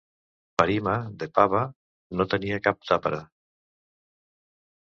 Parima, The Pava, no tenia cap "tapere".